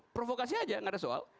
provokasi aja nggak ada soal